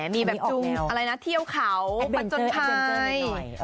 มีแบบที่เที่ยวเขาประจนภาย